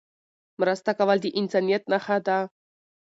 مرسته کول د انسانيت نښه ده.